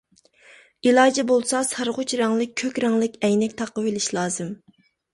ئىلاجى بولسا سارغۇچ رەڭلىك، كۆك رەڭلىك ئەينەك تاقىۋېلىش لازىم.